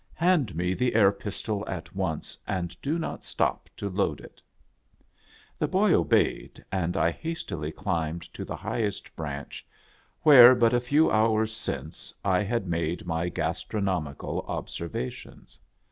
Hand me the air pistol at once, and do not stop to load it !". The boy obeyed, and I hastily climbed to the high est branch, where, but a few hours since, I had made mygastronomical observations.